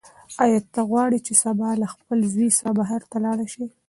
ایا ته غواړې چې سبا له خپل زوی سره بهر لاړه شې؟